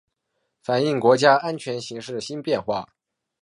反映国家安全形势新变化